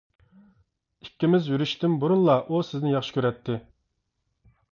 ئىككىمىز يۈرۈشتىن بۇرۇنلا ئۇ سىزنى ياخشى كۆرەتتى.